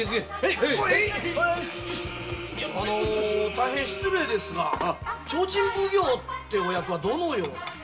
大変失礼ですが提灯奉行ってお役はどのような？